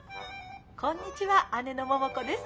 こんにちは姉の桃子です。